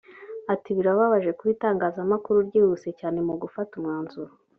Ati “Birababaje kuba itangazamakuru ryihuse cyane mu gufata umwanzuro